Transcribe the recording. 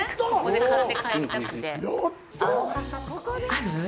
ある？